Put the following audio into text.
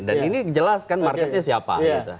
dan ini jelas kan marketnya siapa